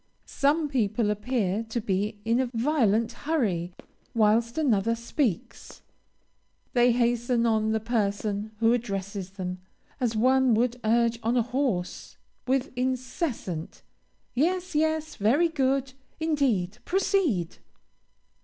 Some people appear to be in a violent hurry whilst another speaks; they hasten on the person who addresses them, as one would urge on a horse with incessant "Yes, yes, very good indeed proceed!"